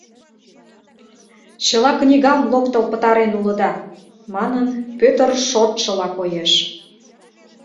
Чыла книгам локтыл пытарен улыда, — манын, Пӧтыр шортшыла коеш.